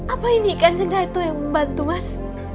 apa ini kan jenggara itu yang membantu mas